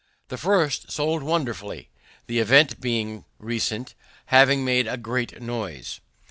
The first sold wonderfully, the event being recent, having made a great noise.